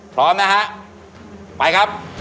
พร้อมนะฮะไปครับ